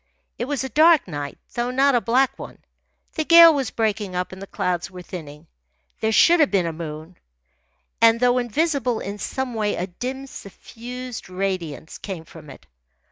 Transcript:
It was a dark night, though not a black one. The gale was breaking up, and the clouds were thinning. There should have been a moon, and, though invisible, in some way a dim, suffused radiance came from it.